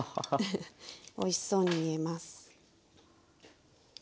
おいしそうに見えます。